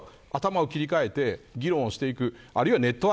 そろそろ頭を切り替えて議論をしていく。